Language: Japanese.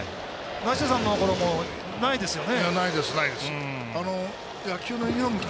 梨田さんのころもないですよね。